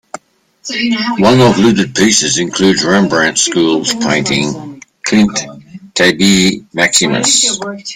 One of looted pieces includes Rembrandt school's painting 'Klint Tabie Maximus'.